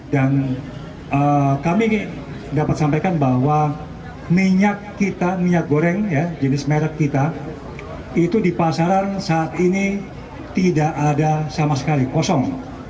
dan kami dapat sampaikan bahwa minyak kita minyak goreng jenis merek kita itu di pasaran saat ini tidak ada sama sekali kosong